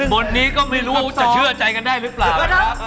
บนนี้ก็ไม่รู้จะเชื่อใจกันได้รึป่าว